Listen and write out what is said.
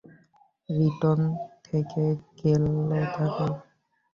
Written থেকে গেল ঢাকায়ই।